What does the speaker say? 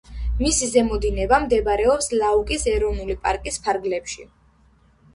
მისი ზემო დინება მდებარეობს ლაუკის ეროვნული პარკის ფარგლებში.